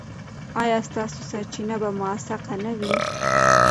ایا ستاسو سرچینه به موثقه نه وي؟